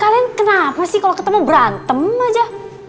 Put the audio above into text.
kalian kenapa sih kalau ketemu berantem aja